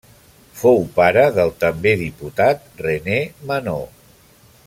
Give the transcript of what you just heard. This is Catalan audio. Fou pare del també diputat René Manaut.